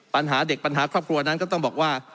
ปัญหาเด็กปัญหาครอบครัวนั้นก็ต้องบอกว่า